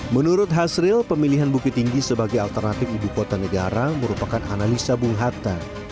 menurut hasril pemilihan bukit tinggi sebagai alternatif ibu kota negara merupakan analisa bung hatta